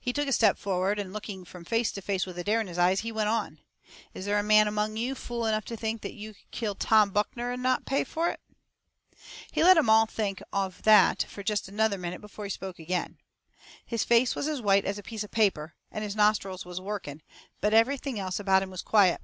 He took a step forward, and, looking from face to face with a dare in his eyes, he went on: "Is there a man among you fool enough to think you could kill Tom Buckner and not pay for it?" He let 'em all think of that for jest another minute before he spoke agin. His face was as white as a piece of paper, and his nostrils was working, but everything else about him was quiet.